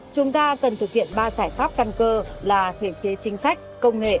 chúng ta cần thực hiện ba giải pháp căn cơ là thể chế chính sách công nghệ